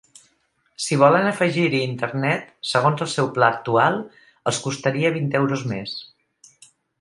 Si volen afegir-hi internet, segons el seu pla actual, els costaria vint euros més.